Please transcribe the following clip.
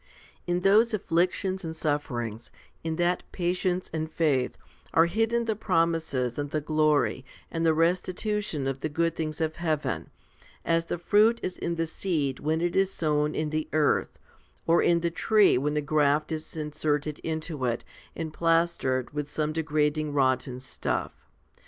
In those afflictions and sufferings, in that patience and faith, are hidden the promises, and the glory, and the restitution of the good things of heaven, as the fruit is in the seed when it is sown in the earth, or in the tree when a graft is inserted into it and plastered with some degrading rotten stuff.